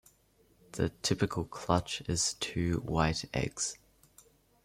The typical clutch is two white eggs.